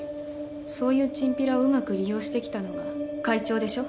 そういうチンピラをうまく利用してきたのが会長でしょ？